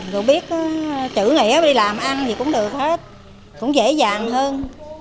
rồi biết chữ nghĩa đi làm ăn gì cũng được hết cũng dễ dàng hơn